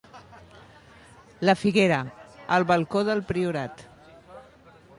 La Figuera, el balcó del Priorat.